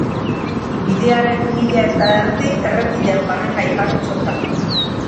Bidearen mila eta erdi errepidean barrena igarotzen da.